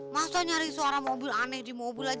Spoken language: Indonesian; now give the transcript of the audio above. masa nyari suara mobil aneh di mobil aja